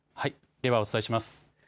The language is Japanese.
では、お伝えします。